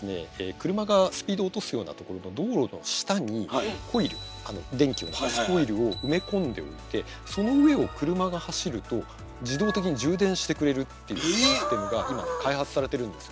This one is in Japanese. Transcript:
車がスピード落とすようなところの道路の下にコイル電気を出すコイルを埋め込んでおいてその上を車が走ると自動的に充電してくれるっていうシステムが今開発されてるんですよ。